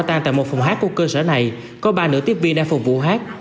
tan tại một phòng hát của cơ sở này có ba nữ tiếp viên đang phục vụ hát